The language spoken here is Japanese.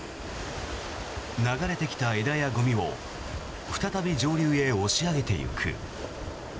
流れてきた枝やゴミを再び上流へ押し上げていく。